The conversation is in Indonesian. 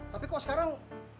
tapi kok sekarang